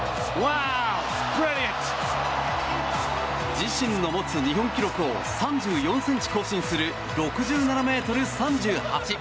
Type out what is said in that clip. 自身の持つ日本記録を３４ｃｍ更新する、６７ｍ３８。